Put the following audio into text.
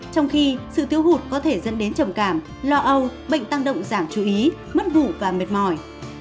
trong khi sự thiếu hụt có thể dẫn đến trầm cảm lo âu bệnh tăng động giảm chú ý mất ngủ và mệt mỏi